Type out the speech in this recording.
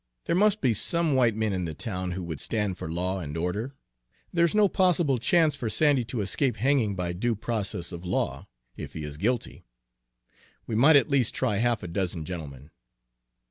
There must be some white men in the town who would stand for law and order, there's no possible chance for Sandy to escape hanging by due process of law, if he is guilty. We might at least try half a dozen gentlemen."